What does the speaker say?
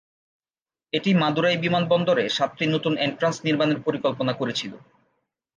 এটি মাদুরাই বিমান বন্দরে সাতটি নতুন এন্ট্রান্স নির্মাণের পরিকল্পনা করেছিল।